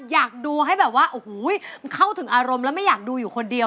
อยากดูให้แบบว่าโอ้โหมันเข้าถึงอารมณ์แล้วไม่อยากดูอยู่คนเดียว